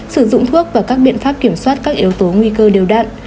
sử dụng thuốc và các biện pháp kiểm soát các yếu tố nguy cơ đều đạn